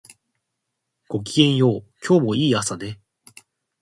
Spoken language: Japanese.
ごきげんよう、今日もいい朝ね